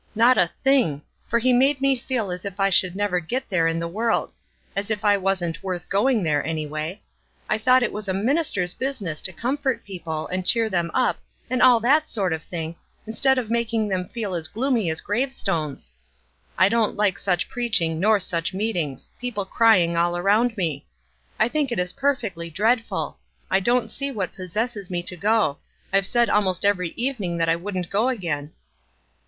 " Not a thing, for he made WISE AND OTHERWISE. 335 me feel as if I should never get there in the world ; as if I wasn't worth going there, any way. I thought it was a minister's business to comfort people, and cheer them up, and all that sort of thing, instead of making them feci as gloomy as grave stones. I don't like such preaching nor such meetings — people crying all around me. I think it is perfectly dreadful. I don't see what possesses me to go. I've said almost every evening that I wouldn't go again."